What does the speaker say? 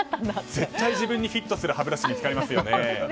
絶対自分にフィットする歯ブラシ見つかりますよね。